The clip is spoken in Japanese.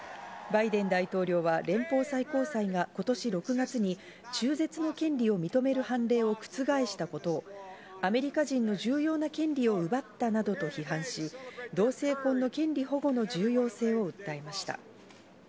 バイデン大統領は連邦最高裁が今年６月に中絶の権利を認める判例を覆したことをアメリカ人の重要な権利を奪ったなどと批判し、同性婚の権利保護の重要性を訴えました。